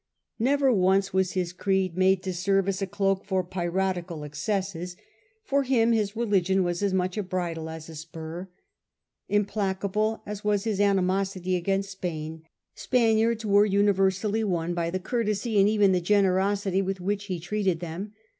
Never once was his creed made to serve 50 S/Ji FRANCIS DRAKE chap. as a cloak for piratical excesses. For him his religion was as much a bridle as a spur. Implacable as was his animosity against Spain, Spaniards were universally won by the courtesy and even the generosity with which he treated them.